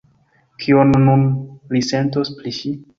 Kion nun li sentos pri ŝi?